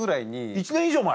１年以上前。